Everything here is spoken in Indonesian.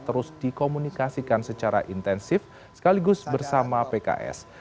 terus dikomunikasikan secara intensif sekaligus bersama pks